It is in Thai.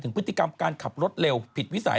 พฤติกรรมการขับรถเร็วผิดวิสัย